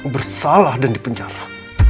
bersalah dan di penjara